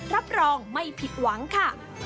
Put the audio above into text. รับรองไม่ผิดหวังค่ะ